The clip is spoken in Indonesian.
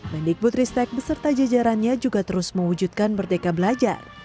pendik putri stek beserta jajarannya juga terus mewujudkan merdeka belajar